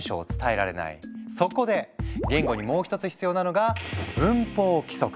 そこで言語にもう１つ必要なのが文法規則！